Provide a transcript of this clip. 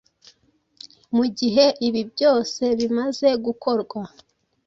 Mu gihe ibi byose bimaze gukorwa,